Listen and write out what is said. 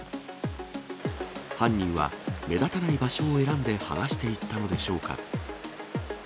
犯人は目立たない場所を選んで剥がしていったのでしょうか。